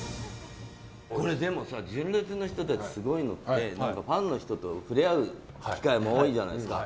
これ、でもさ純烈の人たちすごいのってファンの人と触れ合う機会も多いじゃないですか。